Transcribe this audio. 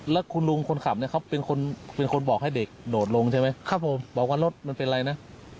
แล้วคุณลุงคนขับเนี่ยเขาเป็นคนเป็นคนบอกให้เด็กโดดลงใช่ไหมครับผมบอกว่ารถมันเป็นอะไรนะ